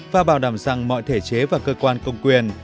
và bảo đảm rằng mọi thể chế và cơ quan công quyền